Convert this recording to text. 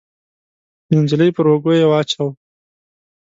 د نجلۍ پر اوږو يې واچاوه.